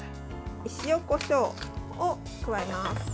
塩、こしょうを加えます。